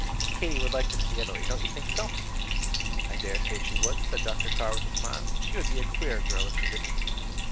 Katy would like to see Italy. Don't you think so?" "I dare say she would," said Dr. Carr, with a smile. "She would be a queer girl if she didn't."